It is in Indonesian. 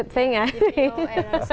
jadi saya menggabungkan dengan pakaian